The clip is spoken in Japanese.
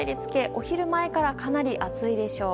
お昼前からかなり暑いでしょう。